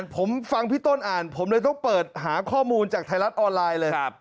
ผมฟังพี่ต้นอ่านผมเลยต้องเปิดหาข้อมูลจากไทยรัฐออนไลน์เลย